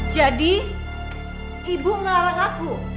jadi ibu melarang aku